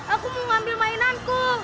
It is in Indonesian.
aku mau ngambil mainanku